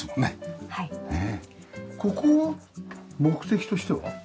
ここは目的としては？